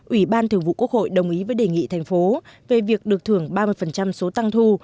ủy ban thường vụ quốc hội đồng ý với đề nghị thành phố về việc được thưởng ba mươi số tăng thu